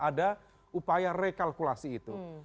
ada upaya rekalkulasi itu